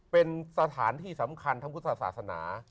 เป็นสถานที่สำคัญทางพุทธศาสนา